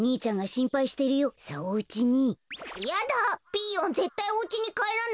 ピーヨンぜったいおうちにかえらない。